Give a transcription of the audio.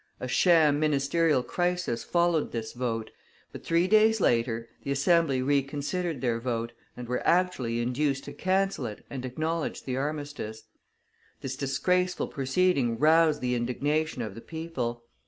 A sham ministerial crisis followed this vote, but three days later the Assembly reconsidered their vote, and were actually induced to cancel it and acknowledge the armistice. This disgraceful proceeding roused the indignation of the people.